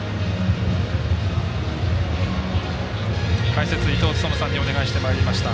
解説、伊東勤さんにお願いしてまいりました。